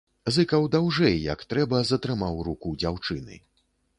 Зыкаў даўжэй, як трэба, затрымаў руку дзяўчыны.